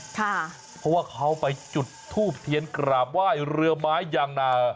เพราะว่าเขาไปจุดทูบเทียนกราบไหว้เรือไม้ยางนา